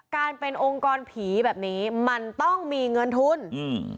การเป็นองค์กรผีแบบนี้มันต้องมีเงินทุนอืม